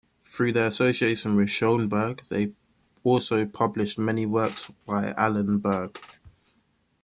Through their association with Schoenberg, they also published many works by Alban Berg.